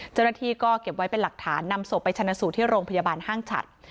เจ้าหน้าที่ก็เก็บไว้เป็นหลักฐานนำศพไปชนะสูตรที่โรงพยาบาลห้างฉัด